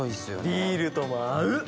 ビールとも合う！